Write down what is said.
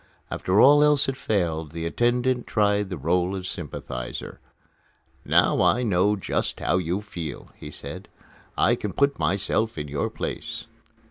After all else had failed, the attendant tried the rôle of sympathizer. "Now I know just how you feel," he said, "I can put myself in your place."